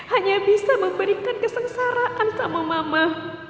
hanya bisa memberikan kesengsaraan sama mama